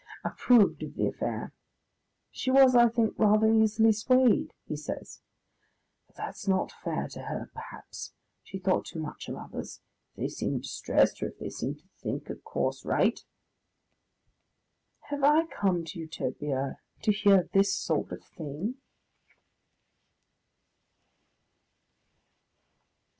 approved of the affair. "She was, I think, rather easily swayed," he says. "But that's not fair to her, perhaps. She thought too much of others. If they seemed distressed, or if they seemed to think a course right "... Have I come to Utopia to hear this sort of thing?